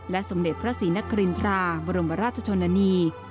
สมเด็จพระศรีนครินทราบรมราชชนนานี